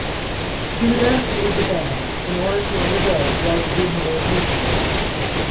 He was asked to leave the band in order to undergo drug rehabilitation.